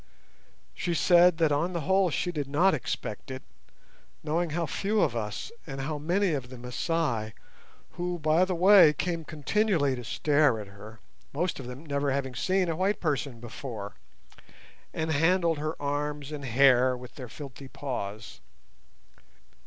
She said that on the whole she did not expect it, knowing how few of us, and how many of the Masai—who, by the way, came continually to stare at her, most of them never having seen a white person before, and handled her arms and hair with their filthy paws.